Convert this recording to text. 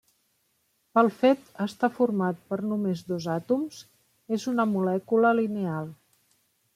Pel fet estar format per només dos àtoms és una molècula lineal.